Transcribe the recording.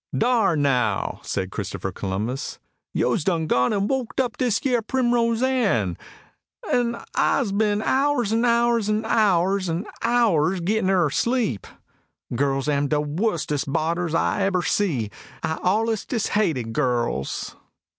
"Dar now," said Christopher Columbus, "yo's done gone an' woked dis yere Primrose Ann, an' I's bin hours an' hours an' hours an' hours gittin her asleep. Girls am de wustest bodders I ebber see. I allus dishated girls."